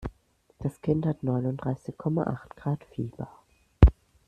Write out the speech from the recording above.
Das Kind hat neununddreißig Komma acht Grad Fieber.